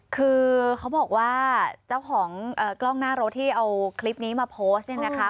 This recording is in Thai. คือเขาบอกว่าเจ้าของกล้องหน้ารถที่เอาคลิปนี้มาโพสต์เนี่ยนะคะ